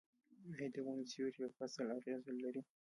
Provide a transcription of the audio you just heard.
آیا د ونو سیوری په فصل اغیز لري؟